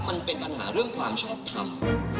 มันเป็นปัญหาเรื่องความชอบทำ